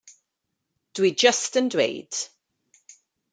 Dwi jyst yn dweud.